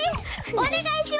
お願いします！